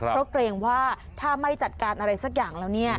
เพราะเกรงว่าถ้าไม่จัดการอะไรสักอย่างแล้ว